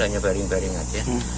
hanya baring baring aja